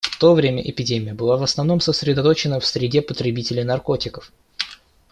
В то время эпидемия была в основном сосредоточена в среде потребителей наркотиков.